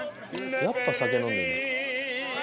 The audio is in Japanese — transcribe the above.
やっぱ酒飲んでる。